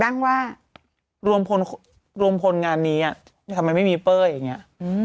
ตั้งว่ารวมพลงานนี้ทำไมไม่มีเป้าย